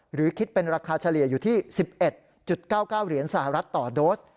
หรือคิดเป็นราคาเฉลี่ยอยู่ที่๑๑๙๙เหรียญสหรัฐต่อโดส